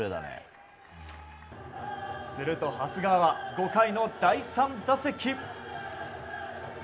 すると、長谷川は５回の第３打席。